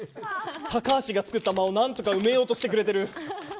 タカハシが作った間を何とか埋めようとしてくれてる。